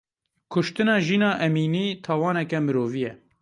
Kuştina Jîna Emînî tawaneke mirovî ye.